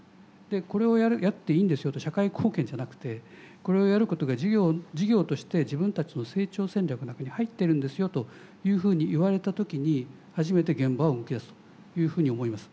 これをやっていいんですよと社会貢献じゃなくてこれをやることが事業として自分たちの成長戦略の中に入ってるんですよというふうに言われた時に初めて現場は動き出すというふうに思います。